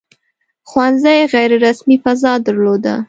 • ښوونځي غیر رسمي فضا درلوده.